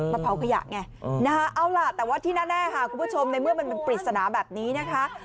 เผาขยะไงนะฮะเอาล่ะแต่ว่าที่แน่ค่ะคุณผู้ชมในเมื่อมันเป็นปริศนาแบบนี้นะคะ